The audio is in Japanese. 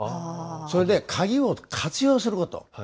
それで、鍵を活用すること。